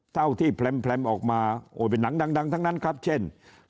เท่าที่แพร่มออกมาโอ้เป็นหนังดังทั้งนั้นครับเช่น